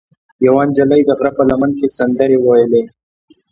یوه نجلۍ د غره په لمن کې سندرې ویلې.